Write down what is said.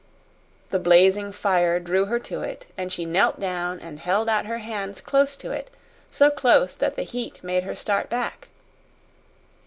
The blazing fire drew her to it, and she knelt down and held out her hands close to it so close that the heat made her start back.